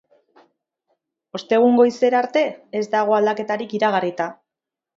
Ostegun goizera arte ez dago aldaketarik iragarrita.